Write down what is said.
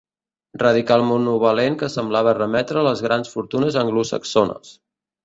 Radical monovalent que sembla remetre a les grans fortunes anglosaxones.